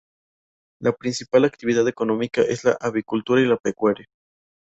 La principal actividad económica es la avicultura y la pecuaria.